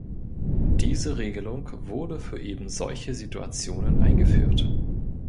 Diese Regelung wurde für eben solche Situationen eingeführt.